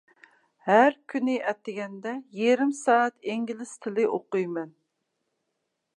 مەن ھەر كۈنى ئەتىگەندە يېرىم سائەت ئىنگلىز تىلى ئوقۇيمەن.